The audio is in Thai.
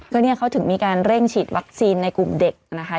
ก็เนี่ยเขาถึงมีการเร่งฉีดวัคซีนในกลุ่มเด็กนะคะ